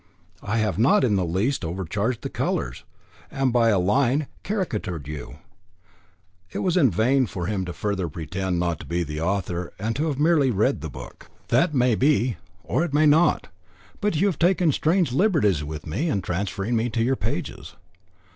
I have not in the least overcharged the colours, by a line caricatured you." It was in vain for him further to pretend not to be the author and to have merely read the book. "That may be, or it may not. But you have taken strange liberties with me in transferring me to your pages."